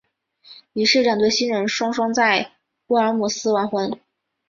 于是两对新人双双在沃尔姆斯完婚。